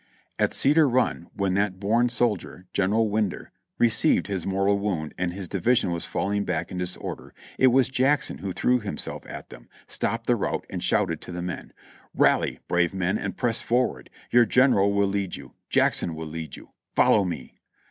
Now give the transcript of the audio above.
At Cedar Run, when that born soldier, General Winder, re ceived his mortal wound and his division was falling back in dis order, it was Jackson who threw himself at them, stopped the rout and shouted to the men : "Rally ! brave men, and press forward ; your General will lead you! Jackson will lead you! Follow me!"